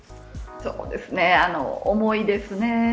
そうですね、重いですね。